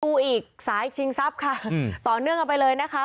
ดูอีกสายชิงทรัพย์ค่ะต่อเนื่องกันไปเลยนะคะ